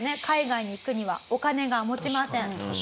海外に行くにはお金が持ちません。